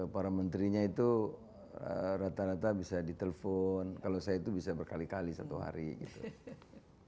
para menterinya itu rata rata bisa ditelepon kalau saya itu bisa berkali kali satu hari gitu